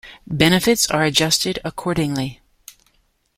Benefits are adjusted accordingly.